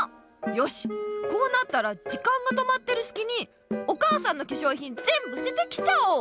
よしこうなったら時間が止まってるすきにお母さんのけしょうひんぜんぶすててきちゃおう！